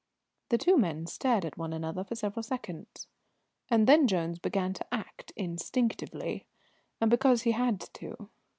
The two men stared at one another for several seconds, and then Jones began to act instinctively, and because he had to.